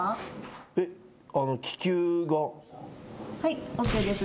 はいＯＫです